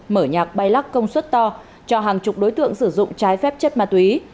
mở nhạc bay lắc công suất to cho hàng chục đối tượng sử dụng trái phép chất ma túy